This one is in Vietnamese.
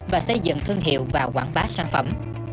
và xây dựng thương hiệu và quảng bá sản phẩm